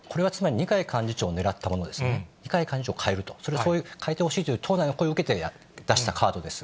二階幹事長を代えると、二階幹事長を代えてほしいという党内の声を受けて出したカードです。